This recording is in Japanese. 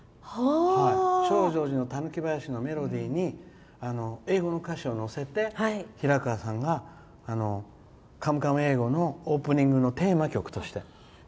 「証城寺の狸囃子」のメロディーに英語の歌詞を乗せて平川さんがカムカム英語のオープニングのテーマ曲として使ってた。